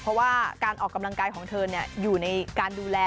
เพราะว่าการออกกำลังกายของเธออยู่ในการดูแล